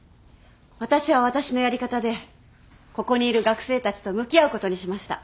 私は私のやり方でここにいる学生たちと向き合うことにしました。